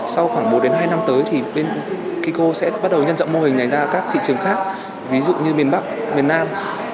sau khoảng bốn hai năm tới thì bên kiko sẽ bắt đầu nhân rộng mô hình này ra các thị trường khác ví dụ như miền bắc miền nam